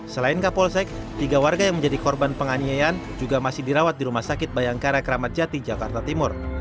selain kapolsek tiga warga yang menjadi korban penganiayaan juga masih dirawat di rumah sakit bayangkara keramat jati jakarta timur